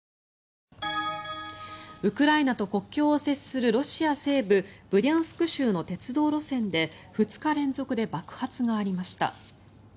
ウクライナと国境を接するロシア西部ブリャンスク州の鉄道路線で２日連続で爆発がありました。